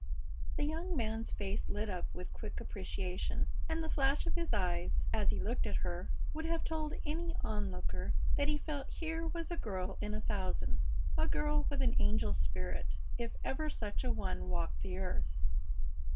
The young man's face lit up with a quick appreciation, and the flash of his eyes as he looked at her would have told any onlooker that he felt here was a girl in a thousand, a girl with an angel spirit, if ever such a one walked the earth.